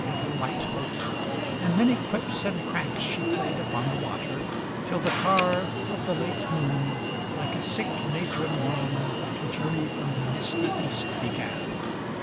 In her light boat; and many quips and cranks She played upon the water; till the car Of the late moon, like a sick matron wan, To journey from the misty east began.